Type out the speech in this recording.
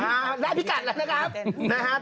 อ่าแล้วพี่ก๊อตแล้วนะครับ